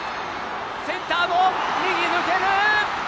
センターの右、抜ける！